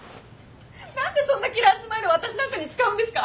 何でそんなキラースマイルを私なんかに使うんですか？